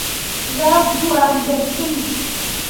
Zah vuu ah gbelle puli.